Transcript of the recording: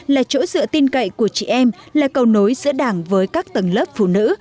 là chỗ dựa tin cậy của chị em là cầu nối giữa đảng với các tầng lớp phụ nữ